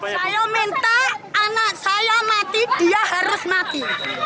saya minta anak saya mati dia harus mati